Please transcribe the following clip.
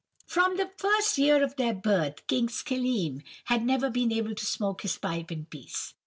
"From the first year of their birth, King Schelim had never been able to smoke his pipe in peace.